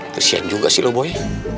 kesian juga sih lo boy